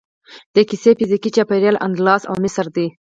د کیسې فزیکي چاپیریال اندلس او مصر دی.